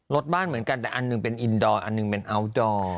รถบ้านเหมือนกันแต่อันหนึ่งเป็นอินดอร์อันหนึ่งเป็นอัลดอร์